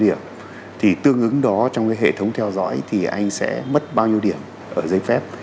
điểm thì tương ứng đó trong cái hệ thống theo dõi thì anh sẽ mất bao nhiêu điểm ở giấy phép